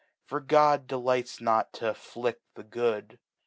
Fot^God deli|;hts not to aiilidl the Good.